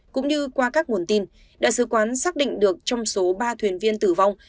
cũng như qua các nguồn tin đại sứ quán xác định được trong số ba thuyền viên tử vong